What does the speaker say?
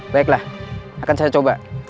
baiklah akan saya coba